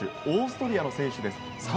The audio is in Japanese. オーストリアの選手。